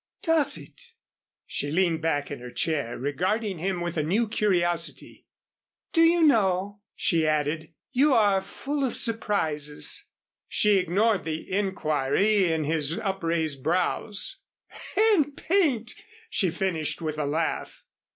"Does it?" She leaned back in her chair, regarding him with a new curiosity. "Do you know," she added, "you are full of surprises " She ignored the inquiry of his upraised brows. " and paint," she finished with a laugh.